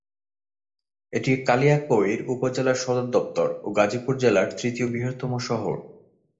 এটি কালিয়াকৈর উপজেলার সদরদপ্তর ও গাজীপুর জেলার তৃতীয় বৃহত্তম শহর।